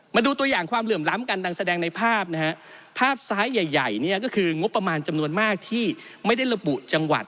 มาดูตัวอย่างความเหลื่อมล้ำกันดังแสดงในภาพนะฮะภาพซ้ายใหญ่เนี่ยก็คืองบประมาณจำนวนมากที่ไม่ได้ระบุจังหวัด